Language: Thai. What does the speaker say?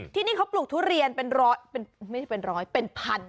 ที่นี่เขาปลูกทุเรียนเป็นร้อยเป็นไม่ใช่เป็นร้อยเป็นพัน